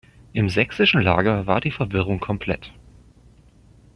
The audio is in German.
Im sächsischen Lager war die Verwirrung komplett.